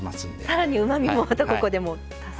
さらにうまみもまたここでも足す。